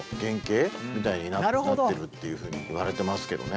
なるほど！みたいになってるっていうふうに言われてますけどね。